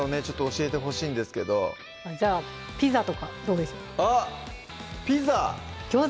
教えてほしいんですけどじゃあピザとかどうでしょう？